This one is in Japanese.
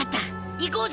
行こうぜ！